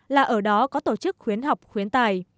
là ở đó có tổ chức khuyến học khuyến tài